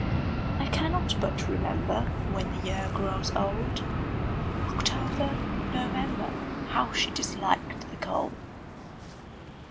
I cannot but remember When the year grows old October November How she disliked the cold!